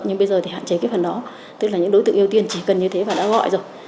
nhưng bây giờ thì hạn chế cái phần đó tức là những đối tượng ưu tiên chỉ cần như thế và đã gọi rồi